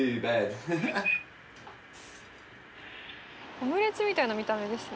オムレツみたいな見た目ですね。